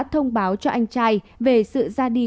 thông báo cho anh trai về sự ra đi